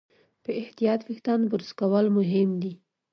په احتیاط وېښتيان برس کول مهم دي.